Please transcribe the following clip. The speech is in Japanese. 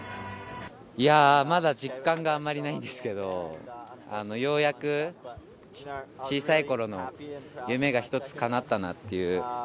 まだ実感があまりないんですけど、ようやく小さい頃の夢が一つ叶ったなっていう。